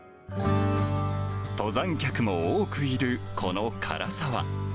登山客も多くいるこの涸沢。